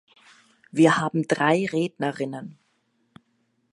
Wir haben drei Rednerinnen.